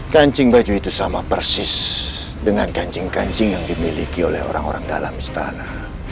kancing baju itu sama persis dengan ganjing kancing yang dimiliki oleh orang orang dalam istana